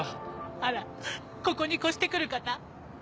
あらここに越して来る方？